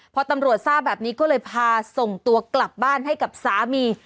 พอตำรวจทราบแบบนี้ก็เลยพาส่งตัวกลับบ้านให้กับสามี